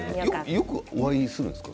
よくお会いするんですか？